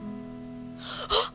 あっ！